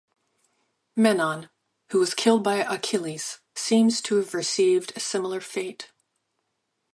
Memnon, who was killed by Achilles, seems to have received a similar fate.